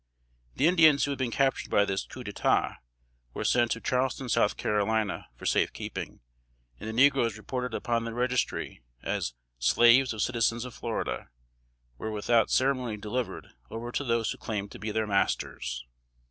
The Indians who had been captured by this "coup d'etat," were sent to Charleston, South Carolina, for safe keeping; and the negroes reported upon the registry as "slaves of citizens of Florida," were without ceremony delivered over to those who claimed to be their masters.